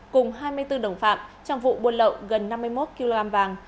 cùng hai mươi bốn đồng phạm trong vụ buôn lậu gần năm mươi một kg vàng